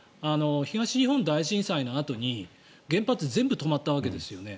東日本大震災のあとに原発全部止まったわけですよね。